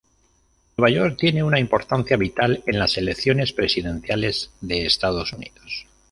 Nueva York tiene una importancia vital en las elecciones presidenciales de Estados Unidos.